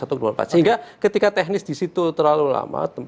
sehingga ketika teknis disitu terlalu lama